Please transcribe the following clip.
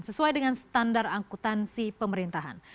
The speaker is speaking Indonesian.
sesuai dengan standar angkutansi pemerintahan